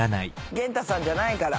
源太さんじゃないから。